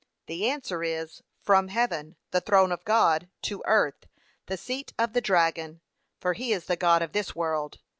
The answer is, from heaven, the throne of God, to earth, the seat of the dragon; for he is the god of this world.